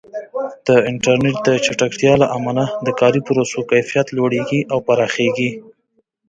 د انټرنیټ د چټکتیا له امله د کاري پروسو کیفیت لوړېږي او پراخېږي.